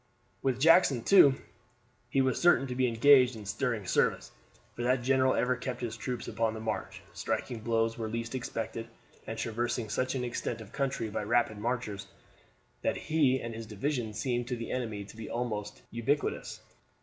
With Jackson, too, he was certain to be engaged in stirring service, for that general ever kept his troops upon the march, striking blows where least expected, and traversing such an extent of country by rapid marches that he and his division seemed to the enemy to be almost ubiquitous.